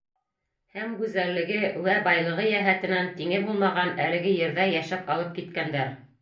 Һәм гүзәллеге үә байлығы йәһәтенән тиңе булмаған әлеге ерҙә йәшәп алып киткәндәр.